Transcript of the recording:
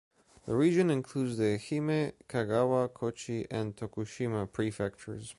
The region includes the Ehime, Kagawa, Kochi and Tokushima prefectures.